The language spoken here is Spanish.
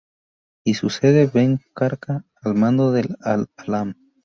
Y sucede a Ben Barka al mando del "Al Alam.